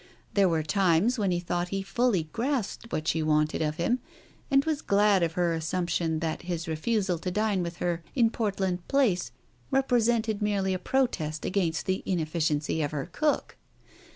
There were times when he thought he fully grasped what she wanted of him and was glad of her assumption that his refusal to dine with her in Portland Place represented merely a protest against the inefficiency of her cook.